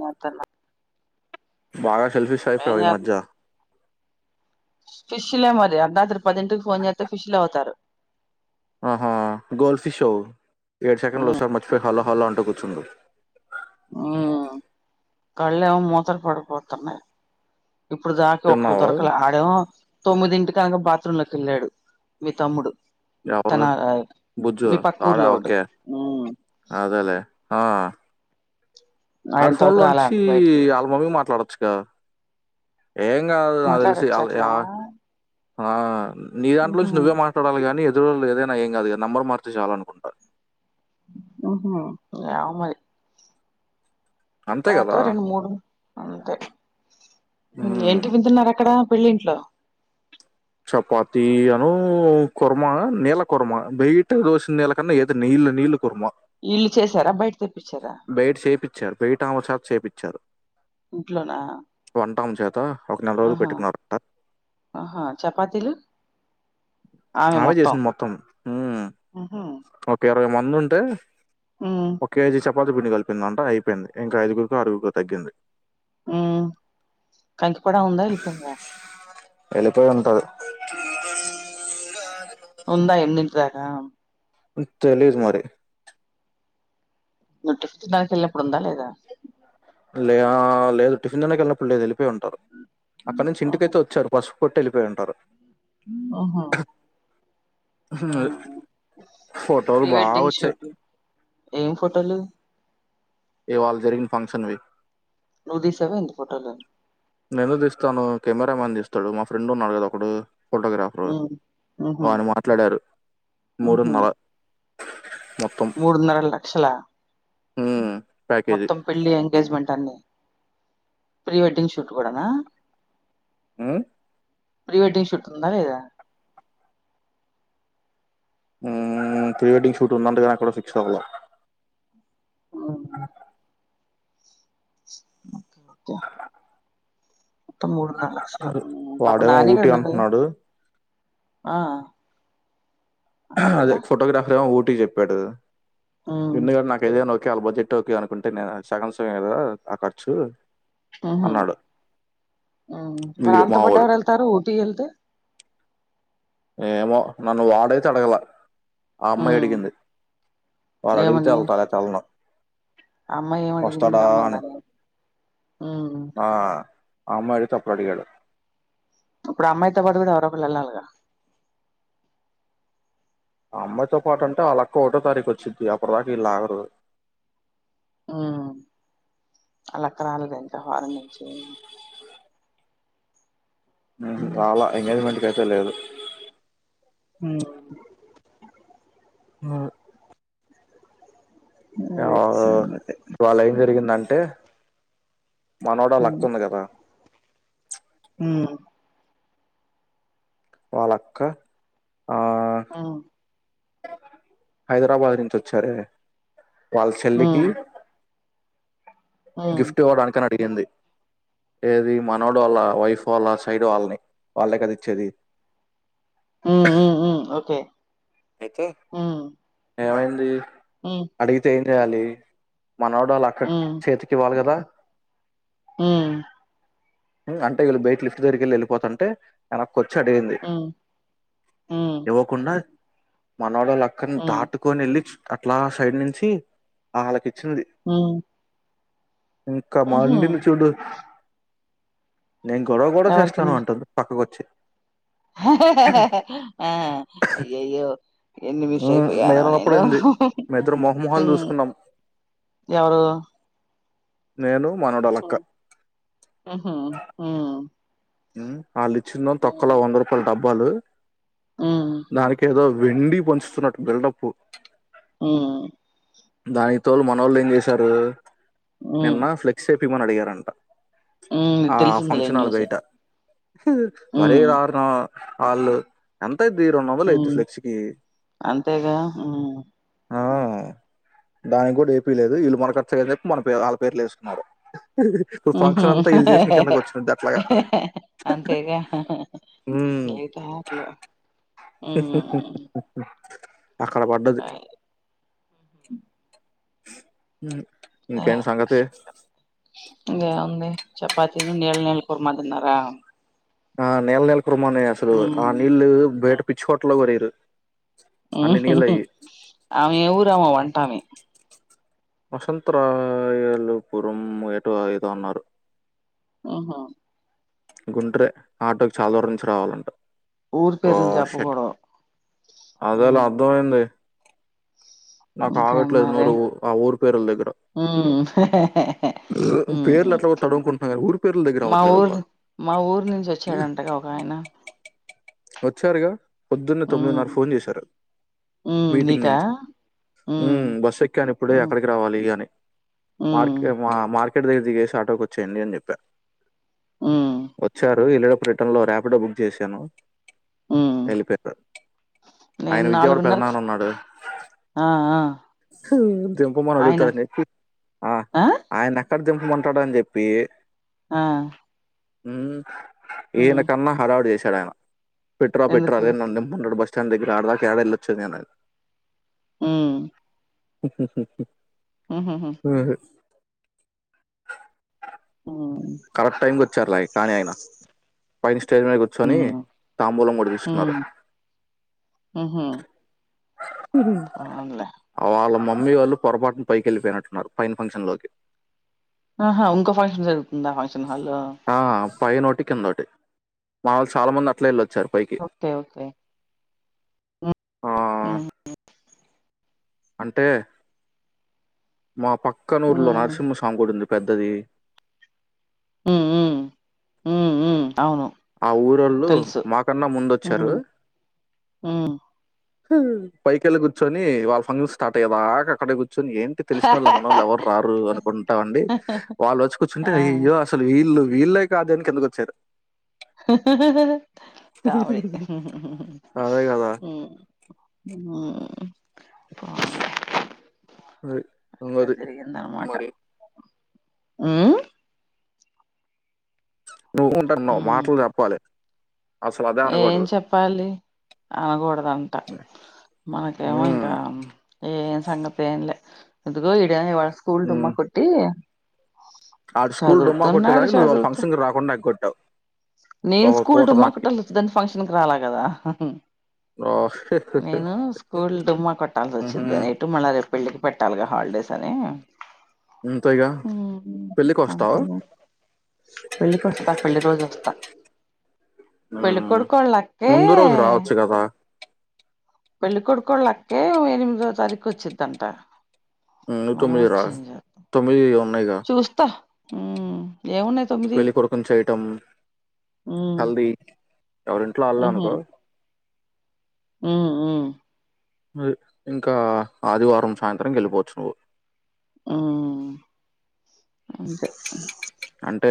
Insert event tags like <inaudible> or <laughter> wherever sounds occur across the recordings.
మాతలా బగా సెల్ఫిష్ అయిపోయావు ఈ మధ్య ఫిష్లే మరి అర్ధత్రి పదింటికి ఫోన్ చేస్తే ఫిష్ లే అవుతారు ఆహా గోల్ ఫిష్ అవు ఏడు సెకండ్ లు ఓ ఉమ్ సారి మర్చిపోయి హలో హలో అంటూ కూచుందువు కళ్ళ ఏమో మూతలు పడిపోతున్నాయి ఇప్పుడు దాక ఒకళ్ళు తిన్నావా దొరకలే ఆడేమో తొమ్మిదింటిక నగా బాత్రూమ్ లోకి వెళ్ళాడు మీ తమ్ముడు తన ఎవరు బుజ్జు మీ పక్క వాడా ఊర్లోడు ఓకే ఉమ్ అదేలే ఆ ఆడు ఆడి ఫోన్ ఇంతవరకు రాలే లోంచి అంట బయటికి ఆళ్ళ మమ్మీ మాట్లాడొచ్చుగా ఏం కాదు నా తెలిసి మాట్లాడొచ్చా అట్లా ఆ నీ దాంట్లో ఉహు నుంచి నువ్వే మాట్లాడాలి గాని దుల్ ఏదైనా ఏం కాదు ఇగ నెంబర్ మారుతే చాల్ అనుకుంటారు హు హు ఏమో మరి అంతే కదా రాకా రెండు మూడు అంతే ఉమ్. ఏంటి వింటున్నారు అక్కడ పెళ్ళింట్లో చపాతి అను కుర్మా నీళ్ల కుర్మా బయట దోసిన నీళ్ల కన్నా ఏదో ని ఇట్లా నీళ్ల కుర్మా ఇళ్ళు చేసారా బయట తెప్పించారా ఇచ్చారు బయట ఆమె చేతా చెప్పించారు ఇంట్లోనా ఒక నెల రోజులు ఆహా పెట్టుకున్నారట ఆహా చపాతీలు అవే చేసింది మొత్తం హ్మ్ ఉహు ఓకే <unintelligible> ఉంటే ఉమ్ ఒక కేజీ చె చెపాతి పిండి కలిపిందంట అయిపోయింది ఇంకా ఐదుగురుకో అరుగురుకో తగ్గింది హ్మ్ కంచి కూడా ఉందా వెళ్ళిపోయిందా వెళ్ళిపోయి ఉంటది ఉందా ఎనింటి దాకా హ్మ్ తెలీదు మరి నట్టు దాని పెళ్ళి అప్పుడు ఉందా లేదా లే ఆ లేదు టిఫిన్ తిన్నాక వెళ్ళినప్పుడు లేదు వెళ్ళిపోయి ఉంటారు అక్కడ నుంచి ఆహా ఇంటికైతే వచ్చారు పసు కొట్టి వెళ్లి పోయి ఉంటారు ఆహా ఆ ఫోటోలు ప్రీ బాగా వెెడ్డింగ్ వచ్చాయి షూటు ఏం ఫోటోలు ఇవ్వాల జరిగిన ఫంక్షన్ వి నువ్వు తీసావా ఏంటి ఫొటోలు నేను తీస్తాను కెమెరా మ్యాన్ తీస్తాడు మా ఫ్రెండ్ ఉన్నాడు కదా ఒకడు ఫోటోగ్రాఫరు ఉమ్ ఉహు వాన్ని మాట్లాడారు మూడున్నరా మూడున్నరా లక్షల హ్మ్ ప్యాకేజీ మొత్తం పెళ్లి ఎంగేజ్మెంట్ అన్ని ప్రీ వెడ్డింగ్ షూట్ కూడా నా హ్మ్ ప్రీ వెెడ్డింగ్ షూట్ ఉందా లేదా హ్మ్ ప్రీ వెడ్డింగ్ షూట్ ఉందంటగా ఎక్కడో ఫిక్స్ అవ్వల ఉమ్, ఓకే మొత్తం మూడున్నారా లక్షలు పాపం వాడేమో నాని ఊటీ గున్నని అంటున్నాడు ఆ ఆ పిల్ల అదే ఫోటోగ్రాఫర్ ఏమో ఊటీ చెప్పాడు ఉమ్ దీన్లో గాని నాకేదయినా ఓకే కాకపోతే ఇట్టైతవౌ అనుకుంటే నేను సగం సగం కదా ఆ ఖర్చు ఊహు అన్నాడు మ్మ్ వీడు వరాన్త పాటు మావోడు ఎవరెళ్తారు ఊటీ ఎళ్తే ఏమో నన్ను వాడైతే అడగల ఆ అమ్మాయి ఉమ్, అడిగింది వాడు అడిగితే ఏమని వెళ్తా లేతే ఎళ్ళ్ను ఆ అమ్మాయి ఏమడిగింది అని రమ్మందానే ఆ ఆ అమ్మాయడిగితే అప్పు అడిగాడు ఇప్పుడు ఆ అమ్మాయితో పాటు గుడ ఎవరో ఒక్కళ్ళెలిగా ఆ అమ్మాయితో పాటంటే ఆళ్ళక్క ఒకటో తారీఖు వచ్చిది అప్పటిదాకా వీళ్ళు ఆగరు. ఉమ్ ఆళ్ళక్క రాలేదా ఇంకా ఫారెన్ నుంచి ఊహు ఉమ్, రాల ఎంగేజ్మెంట్కు అయితే లేదు మ్మ్ ఆ అదే ఎవరు సంగతి ఇవాళ్ళ ఏం జరిగిందంటే మనోడోళ్లత్తుంది గదా మ్మ్ వాలక్క ఆ హైదరాబాద్ నుంచి వచ్చారే వాళ్ చెల్లికి ఉమ్ ఉమ్ గిఫ్ట్ ఇవ్వడానికని అడిగింది ఏది మనోడోళ్ళ వైఫ్ వాళ్ళ సైడ్ వాళ్ళని వాళ్లే కద ఇచ్చేది మ్మ్ మ్మ్ మ్మ్ ఓకే అయితే ఉమ్ ఏమైంది ఉమ్ అడిగితే ఏం చేయాలి మనోడోళక్క చేతికివ్వాలి గదా ఊ అంటే వీళ్ళు బయట లిఫ్ట్ దగ్గరకెళ్ళి వెళిపోతుంటే కొచ్చి అడిగింది ఉమ్ ఉమ్ ఇవ్వకుండా మనోడోళ్ళ అక్కన్ ఉమ్ దాటుకోనెళ్ళి అట్లా సైడ్ నుంచి ఆళ్ళకి ఇచ్చింది మ్మ్ ఇంకా మండింది చూడు నేను గొడవ గూడ ఎవరికి చేస్తాను అంటుంది పక్కకొచ్చి ఆ అయ్యయ్యో ఎన్ని మిస్ అయిపొయ్యానో నేను మేమిద్దరం మొహమొహాలు చూసుకున్నాం ఎవరు నేను మనోడోళ్ళక్క ఉహూ ఉ మ్మ్ ఆళ్ళు ఇచ్చిందేమ్ తొక్కలో వంద రూపాలు డబ్బాలు ఉమ్ దానికి ఏదో వెండియి పంచుతున్నట్టు బిల్డప్పు ఊ దానికి తోడు మనోళ్ళేం చేసారు ఉమ్ నిన్న ఫ్లెక్స్ ఏపిమని అడిగారంట ఉమ్ ఆ తెలిసిందిలే ఫంక్షనాల్ న్యూస్ బయట మరే ఉమ్ దారుణం ఆళ్ళు దీర మొబల్ ఎడ్జ్ ఉమ్ ఫ్లెక్సికి అంతేగా ఉమ్ దానికి గుడ ఏపీలేదు వీళ్ళు మన ఖర్చని చెప్పి మన ఆళ్ళ పేర్లు ఏసుకున్నారు ఊహు వచ్చినది అట్లాగా అంతేగా ఉమ్, ఏతాట్లా <unintelligible> అక్కడ పడ్డది ఇంకేంటి సంగతి ఇంకేముంది చపాతీను నీల నీల కూర్మ తిన్నారా ఆ నీల నీల కూర్మ మానే అసలు ఉమ్ ఆ నీళ్ళు బయట పిచ్చుకోట్లో కూడా వెయ్యరు ఆమె ఏ ఊరామో వంటామే వసంతరాయలుపురం ఏటో ఏదో అన్నారు ఆహా గుంట్రే ఆటోకి చాలా దూరం నుంచి రావాలంట ఊరి ఓ పేర్లు షట్ చెప్పకూడదు అదేలే అర్థమయింది ఇంకేం మరి నోరు ఆ ఊరి పేర్ల దగ్గర. ఉం పేర్లు ఉం ఎట్లాగో తడుముకుంటున్నా కానీ ఊరి పేర్ల దగ్గర మా అవ్వట్లేదబ్బా. ఊరు మా ఊరు నుంచి వచ్చాడంటగా ఆయన <inaudible> వచ్చారుగా పొద్దున్నే ఉమ్ తొమ్మిదిన్నర ఫోన్ చేశారు ఉమ్ మీటింగ్ నీకా నుంచి ఉం ఉమ్ బస్సు ఎక్కాను ఇప్పుడే ఉమ్ ఎక్కడికి రావాలి అని ఉమ్ మార్కేట్ మార్కెట్ దగ్గర దిగేసి ఆటో కి వచ్చేయండి అని చెప్పా ఉమ్ వచ్చారు వెళ్ళేటప్పుడు రిటన్లో ర్యాపిడో బుక్ చేశాను ఉమ్ వెళ్లి పోయారు ఆయన నేను విజయవాడ నాలుగున్నరకు పెదనాన ఉన్నాడు ఆ ఆ ఉం దింపమని ఆయన అడుగుతా అని ఎక్కి ఆ ఆయన ఎక్కడ దింపమంటాడో అని చెప్పి ఆ ఉం ఈయన ఉమ్ కన్నా హడావుడి చేశాడు ఆయన పెట్ర పెట్ర ఎందుకు అదే నన్ను దింప మన్నాడ్ బస్ బస్టాండ్ దగ్గర అడ దాకా ఎడ వెల్లోచేను అని ఉం <inaudible> ఉమ్ కరెక్ట్ టైంకి వచ్చారులే కానీ ఆయన పైన స్టేజ్ మీద కూర్చొని ఉమ్ తాంబూలం కూడా తీసుకున్నారు ఉ హమ్ వాళ్ల మో మమ్మీ వాళ్ళు పొరపాటున పైకె ళ్ళి పోయినట్టున్నారు ఫైన ఫంక్షన్ లోకి ఆహా ఇంకో ఫంక్షన్ జరుగుతుందా ఫంక్షన్ హాల్లో ఆ పైన ఒకటి కింద ఒకటి మా వాళు చాలా మంది అట్లే వెళ్ళ ఓకే ఓకే ఆ ఉం ఉం అంటే మా పక్కనఊరులో ఉమ్ నరసింహ స్వామి గుడీ ఉంది పెద్దది ఉం ఉం ఆ ఊరోళ్ళు తెలుసు మాకన్నా ముందొచ్చారు ఉమ్ ఉమ్ పైకిళ్ళి కూర్చొని వాళ్ళ పనులు స్టార్ట్ అయ్యేదాకా అక్కడే కూర్చొ కూర్చుని ఏంటి తెలిసిన వాళ్ళ మన వోళ్ళు ఎవరు రారు అనుకుంటా ఉండి వాళ్ళు వచ్చి కూర్చుంటే ఆ అయ్యోయో అసలు వీళ్ళు వీళ్ళే కాదని కిందకు వచ్చారు తావోయి అదే కదా అది అంగది మరి ఉం నువ్వు ఉంటా మా ఉమ్ మాటలు చెప్పాలి అసలు అదే ఏం అనకూడదు చెప్పాలి అనకూడదంట మనకేమో ఇంకా ఉమ్, ఏ సంగతి ఏంలే ఇందుగో ఇడ ఇవాళ స్కూల్ డుమ్మ కొట్టి ఆ స్కూల్ డుమ్మా చదువుతున్నాడు కొట్టేదానికి నువ్వు ఒక చదువుతూ ఫంక్షన్కి రాకుండా ఎగ్ గొట్టావ్ నేను స్కూల్ డుమ్మా కుట్టాల దాన్ని ఫంక్షన్ కి రాలా కదా ఓహ్ నేను స్కూల్ డుమ్మా కొట్టాల్సి వచ్చిద్ ఉహుం. అని ఎటు మల్ల రేప్ పెళ్లికి పెట్టాల్ గా హాల్ డేస్ అని అంతేగా ఊ పెళ్ళికి వస్తావు అంతేగా పెళ్ళకి వస్తా పెళ్లి రోజు వస్తా పెళ్ళి ఉమ్. కోడుకు వాళ్ళ అక్కే ముందు రోజు రావచ్చు కదా పేళ్ళి కొడుకుకొళ్ళ అక్కే ఎనిమిదో తారీక్ వచ్చిద్దఅంట ఉమ్, నువ్వు మనం తొమ్మిది రా వచ్చిం మ్ చేప్ తొమ్మిది ఉన్నాయిగా చూస్తా మ్మ్ ఏమున్నాయి తొమ్మిది వెళ్లి కోడుకున్ చేయటమ్ మ్మ్ హల్ది ఎవర్ ఇంట్లో వాళ్ అనుకో మ్ ఊ ఇంకా ఆదివారం సాయంత్రం వెళ్ళిపోవచ్చు నువ్వు ఆ అ సరే అంటే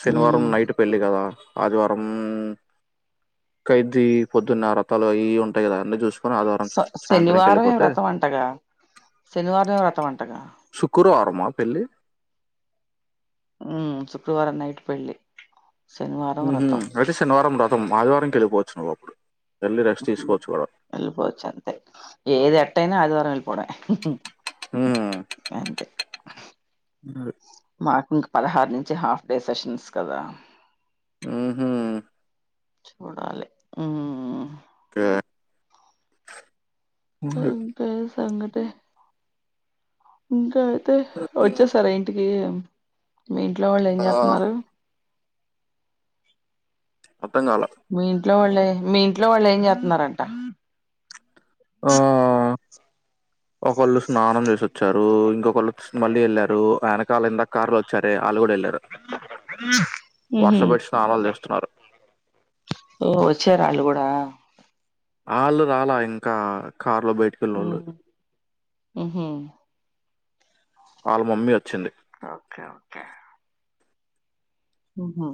శనివారం నైట్ పెళ్ళి కదా ఆదివారం ఖైదీ పొద్దున్న రుథ్తాలు అవి ఉంటాయి కదా అన్నీ చూస్ స శనివారం మే ఏ వ్రతం అంటగా శనివారమే వ్రతం మ్ అంటగా పేళ్ళి ఉ శుక్రవారం నైట్ పెళ్ళి శనివారం ఊహు వ్రతం అయితే శనివారం వ్రతం ఆదివారంకి వెళ్ళిపోవచ్చు నువ్ అప్పుడు వెళ్ళి రెస్ట్ తీసుకోవచ్చు కూడా వెళ్ళిపోవచ్చ అంతే ఏది ఎట్ట అయినా ఆది వారం వెళ్ళిపోవడమే ఉమ్ అంతే మాక్ ఇంకా పదహార్ నుంచి హాఫ్ డేస్ ఫెషన్స్ కదా ఉహు చూడాలి ఊ గా మ్ ఇంకేమ్ సంగటి ఇంకా అయితే వచ్చేస్తారా ఇంటికి మీ ఇంట్లో వాళ్ళు ఏం ఆ చేత్తన్ న్నారు మొత్తం కావలా మీ ఇంట్లో వాళ్ళే మీ ఇంట్లో వాళ్ళు ఏం చేస్తున్నార అంటా ఓ ఒకో వోళ్ళు స్నానం చేస్ వచ్చారు ఇంకొ కోళ్ళు మళ్ళీ వెళ్ళారు ఆయన కార్లో ఎంద కార్లు వచ్చారే వాళ్ళు కూడా వెళ్లారు వర్ ఊహు సపెట్టి స్నానాలు చేస్తుఉన్నారు ఓ వచ్చరా ఆళ్లు కూడా ఆళ్ళు రాలా ఇంకా ఆ కారు లో బయటికి వెళ్ళి వోళ్ళు ఉహూ వాళ్ మమ్మీ వచ్చింది ఓకే ఓకే ఆహా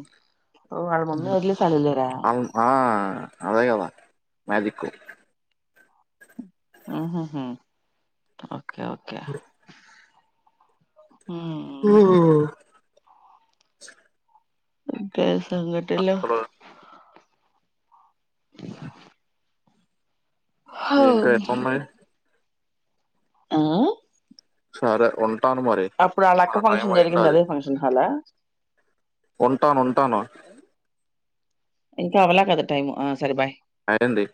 ఓ వాళ్ మమ్మీ అగింషాల్ ఏల్లారా ఆళ్ళ ఆ! అదే కదా మ్యాజిక్కు ఉహు హు ఓకే ఓకే మ్మ్ ఉ ఇంకేమ్ సంగటులూ హో ఇంకా ఎట్టు ఉన్నాయి ఆ సరే, ఉం అప్పుడు, అలాక్క ఫంక్షన్ జరిగింది. అదే ఫంక్షన్ హలా! ఉంటాను. ఉంటాను. ఇంకా అవలె గదా, టైమ్ ఆ సరే బాయ్. అడింది.